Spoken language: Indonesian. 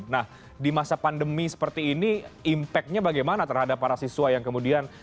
nah di masa pandemi seperti ini impactnya bagaimana terhadap para siswa yang kemudian